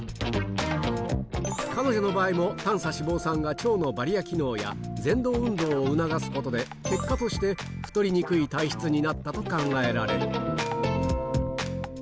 彼女の場合も短鎖脂肪酸が腸のバリア機能やぜん動運動を促すことで、結果として太りにくい体質になったと考えられる。